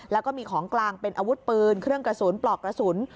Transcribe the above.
แล้วก็มีของกลางเป็นอาวุธปืนเครื่องกระสุนปลอกกระสุน